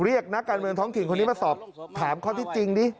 นักการเมืองท้องถิ่นคนนี้มาสอบถามข้อที่จริงดิ